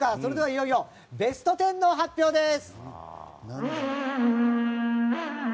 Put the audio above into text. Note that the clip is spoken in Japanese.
それでは、いよいよベスト１０の発表です。